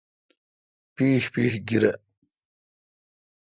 پِیش پیش گیرہ۔